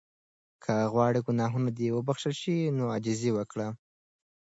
که غواړې ګناهونه دې وبخښل شي نو عاجزي وکړه.